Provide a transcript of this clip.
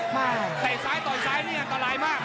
แต่สายต่อยสายเนี่ยตลายมาก